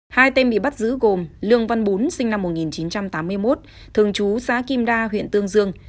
hai tên bị bắt giữ gồm lương văn bún sinh năm một nghìn chín trăm tám mươi một thường trú xã kim đa huyện tương dương